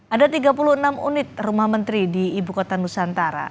ada tiga puluh enam unit rumah menteri di ibu kota nusantara